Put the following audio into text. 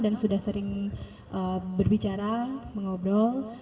dan sudah sering berbicara mengobrol